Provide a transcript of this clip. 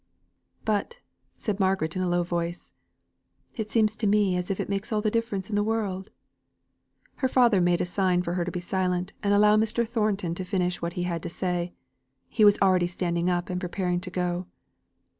"But," said Margaret in a low voice, "it seems to me that it makes all the difference in the world ." Her father made a sign to her to be silent, and allow Mr. Thornton to finish what he had to say. He was already standing up and preparing to go.